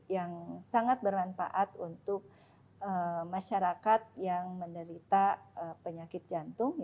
yang sangat bermanfaat untuk masyarakat yang menderita penyakit jantung